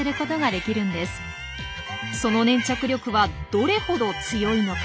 その粘着力はどれほど強いのか？